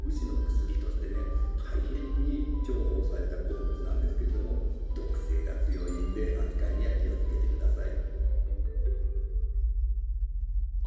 大変に重宝された鉱物なんですけれども毒性が強いんで扱いには気をつけてください。